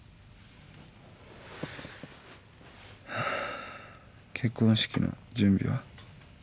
ハァー結婚式の準備は？